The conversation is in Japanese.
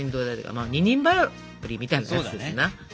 まあ二人羽織みたいなやつですな。